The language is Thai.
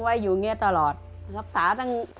ไว้อยู่เงียดตลอดรับศึกษาทั้ง